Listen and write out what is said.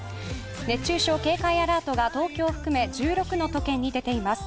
熱中症警戒アラートが東京含め１６の都県に出ています。